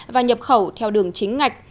và nhập khẩu theo đường chính ngạch